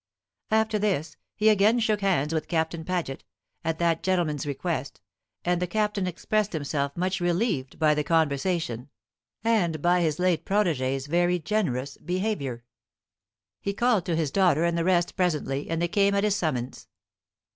After this he again shook hands with Captain Paget, at that gentleman's request, and the Captain expressed himself much relieved by the conversation, and by his late protégé's very generous behaviour. He called to his daughter and the rest presently, and they came at his summons.